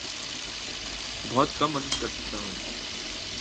بہت کم مدد کر سکتا ہوں